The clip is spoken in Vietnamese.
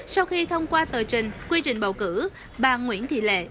sau khi thông qua tờ trình quy trình bầu cử bà nguyễn thị lệ